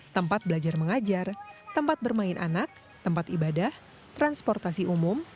tempat belajar mengajar tempat bermain anak tempat ibadah transportasi umum